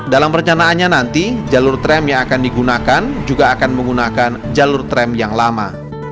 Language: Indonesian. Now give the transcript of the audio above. dalam perencanaannya nanti jalur tram yang akan digunakan juga akan menggunakan jalur tram yang lama